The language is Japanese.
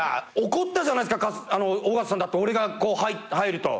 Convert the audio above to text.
怒ったじゃないですか尾形さん俺が入ると。